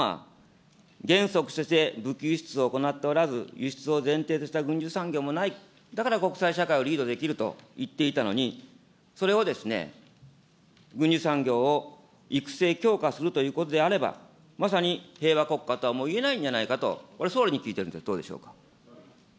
私聞いてますのは、原則として武器輸出を行っておらず、輸出を前提とした軍需産業もない、だから国際社会をリードできると言っていたのに、それをですね、軍需産業を育成強化するということであれば、まさに平和国家とはもういえないんじゃないかと、これ、総理に聞いてるんです。